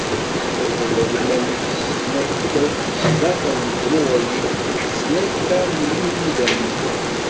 Tedleḍ iman-ik d tesnakta-k sdaxel n tmuɣli d tesnakta n yiwudam-ik.